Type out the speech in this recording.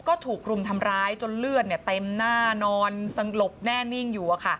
ก็ถูกรุมทำร้ายจนเลือดเต็มหน้านอนสลบแน่นิ่งอยู่